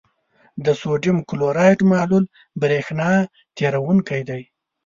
د سوډیم کلورایډ محلول برېښنا تیروونکی دی.